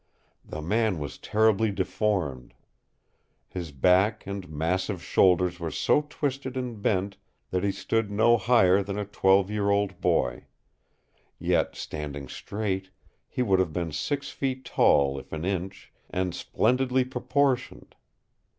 The man was terribly deformed. His back and massive shoulders were so twisted and bent that he stood no higher than a twelve year old boy; yet standing straight, he would have been six feet tall if an inch, and splendidly proportioned.